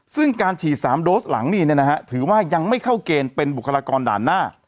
ซึ่งการฉีด๓โดสหลังนี่ถือว่ายังไม่เข้าเกณฑ์เป็นบุคลากรด่านหน้า